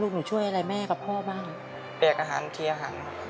ผมเห็นแม่ทำงานคนเดียว